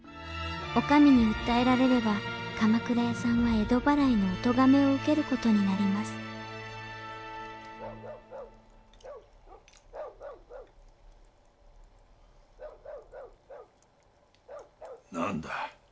お上に訴えられれば鎌倉屋さんは江戸払いのお咎めを受ける事になります何だ。